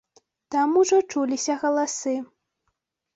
Там ужо чуліся галасы.